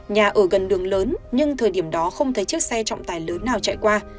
nhà ở gần đường lớn nhưng thời điểm đó không thấy chiếc xe trọng tài lớn nào chạy qua